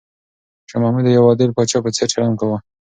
شاه محمود د یو عادل پاچا په څېر چلند کاوه.